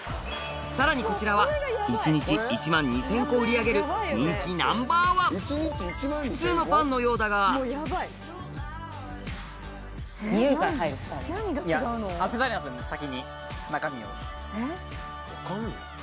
さらにこちらは１日１万２０００個売り上げる人気Ｎｏ．１普通のパンのようだが先に。